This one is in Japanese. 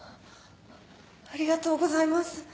ありがとうございます。